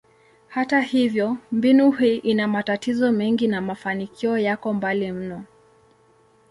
Hata hivyo, mbinu hii ina matatizo mengi na mafanikio yako mbali mno.